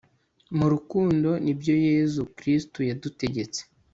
mu rukundo, nibyo yezu kristu yadutegetse